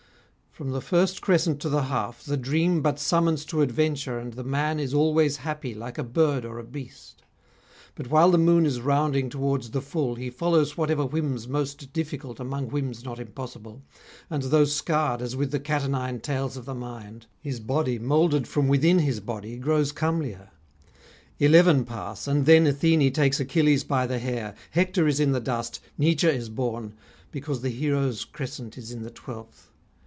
From the first crescent to the half, the dream But summons to adventure and the man Is always happy like a bird or a beast; But while the moon is rounding towards the full He follows whatever whim's most difficult Among whims not impossible, and though scarred As with the cat o' nine tails of the mind, His body moulded from within his body Grows comelier. Eleven pass, and then Athenae takes Achilles by the hair, Hector is in the dust, Nietzsche is born, Because the heroes' crescent is the twelfth.